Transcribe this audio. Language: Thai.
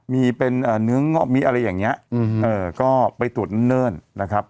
มีเป็นเนื้อเงาะมีอะไรอย่างนี้ก็ไปตรวจเนิ่นนะครับ